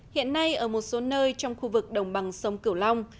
hiện nay ở một số nơi trong khu vực đồng bằng sông cửu long